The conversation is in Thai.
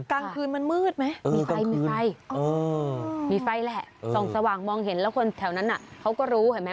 กลางคืนมันมืดไหมมีไฟมีไฟมีไฟแหละส่องสว่างมองเห็นแล้วคนแถวนั้นเขาก็รู้เห็นไหม